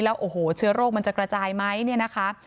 แล้วโอ้โหเชื้อโรคมันจะกระจายไหมเนี่ยนะคะ